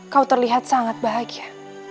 kamu terlihat sangat bahagia